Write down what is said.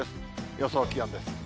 予想気温です。